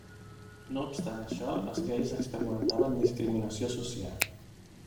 No obstant això, els gais experimentaven discriminació social.